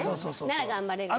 なら頑張れるかな。